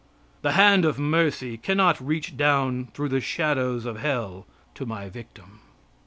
The hand of mercy cannot reach down through the shadows of hell to my victim.